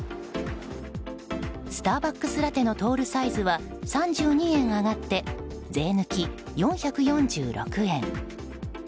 スターバックスラテのトールサイズは３２円上がって、税抜き４４６円。